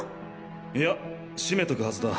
いや閉めとくはずだ。